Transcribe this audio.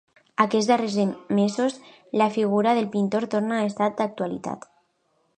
Aquests darrers mesos la figura del pintor torna a estar d’actualitat.